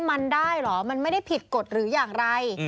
มันได้เหรอมันไม่ได้ผิดกฎหรืออย่างไร